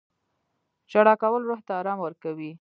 • ژړا کول روح ته ارام ورکوي.